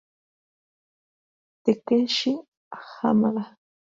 Takeshi Hamada